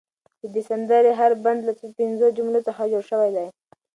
د دې سندرې هر بند له پنځو جملو جوړ شوی دی.